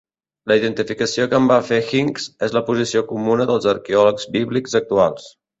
La identificació que en va fer Hincks és la posició comuna dels arqueòlegs bíblics actuals.